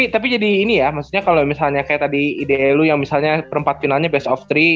tapi jadi ini ya misalnya kalo misalnya kayak tadi ibl yang misalnya perempat finalnya best of tiga